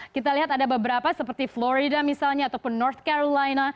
kita lihat ada beberapa seperti florida misalnya ataupun northcarolina